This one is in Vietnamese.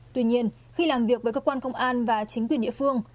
tuy nhiên khi làm việc với cơ quan công an và chính quyền địa phương